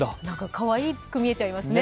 かわいく見えちゃいますね。